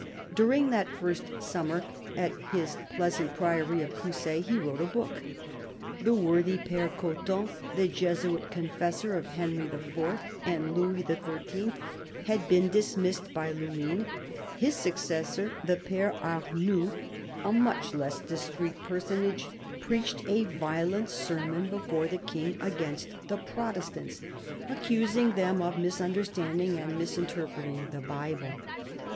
During that first summer, at his pleasant priory of Coussay, he wrote a book. The worthy Pere Cotton, the Jesuit confessor of Henry IV. and Louis XIII., had been dismissed by Luynes. His successor, the Pere Arnoux, a much less discreet personage, preached a violent sermon before the King against the Protestants, accusing them of misunderstanding and misinterpreting the Bible.